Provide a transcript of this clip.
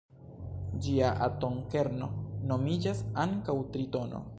Ĝia atomkerno nomiĝas ankaŭ tritono.